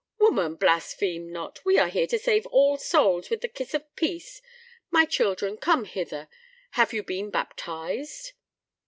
"Woman, blaspheme not! We are here to save all souls with the kiss of peace. My children, come hither. Have you been baptized?"